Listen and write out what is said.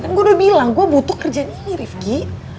kan gue udah bilang gue butuh kerjaan ini rifqi